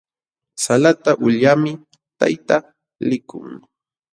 Salata ulyaqmi tayta likun.